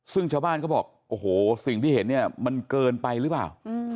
ซึ่งชาวบ้านเขาบอกโอ้โหสิ่งที่เห็นเนี่ยมันเกินไปหรือเปล่า